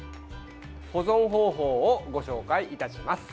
保存方法をご紹介いたします。